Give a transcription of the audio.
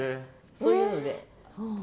そういうので。